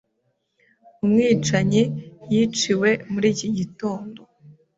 Umwicanyi yiciwe muri iki gitondo.